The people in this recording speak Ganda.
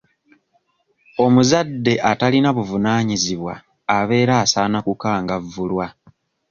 Omuzadde atalina buvunaanyizibwa abeera asaana kukangavvulwa.